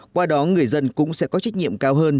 qua đó người dân cũng sẽ có trách nhiệm cao hơn